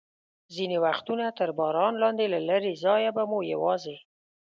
ځینې وختونه تر باران لاندې، له لرې ځایه به مو یوازې.